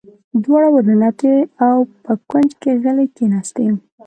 دواړې ور ننوتې او په کونج کې غلې کېناستې.